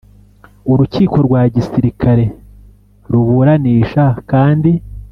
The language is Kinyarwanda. Urukiko rwa Gisirikare ruburanisha kandi